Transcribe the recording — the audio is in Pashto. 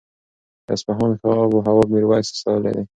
د اصفهان ښه آب و هوا میرویس ستایلې وه.